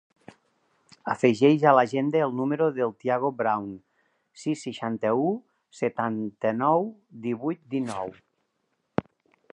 Afegeix a l'agenda el número del Tiago Brown: sis, seixanta-u, setanta-nou, divuit, dinou.